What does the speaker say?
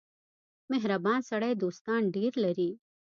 • مهربان سړی دوستان ډېر لري.